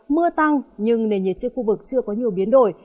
mưa tăng nhưng nền nhiệt trên khu vực chưa có nhiều biến đổi